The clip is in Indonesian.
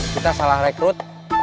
kita salah rekrut